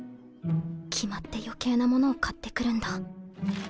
決まって余計なものを買ってくるんだ